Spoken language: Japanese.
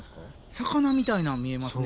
魚みたいなん見えますね。